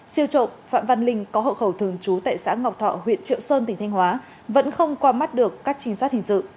siêu trộm phạm văn linh có hộ khẩu thường trú tại xã ngọc thọ huyện triệu sơn tỉnh thanh hóa vẫn không qua mắt được các trinh sát hình sự